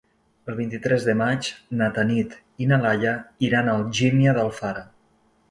El vint-i-tres de maig na Tanit i na Laia iran a Algímia d'Alfara.